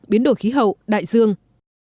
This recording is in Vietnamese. biến đổi khí hậu đại dương